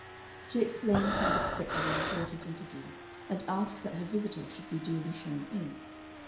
She explained she was expecting an important interview, and asked that her visitor should be duly shown in.